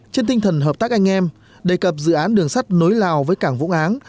trên tinh thần hợp tác anh em đề cập dự án đường sắt nối lào với cảng vũng áng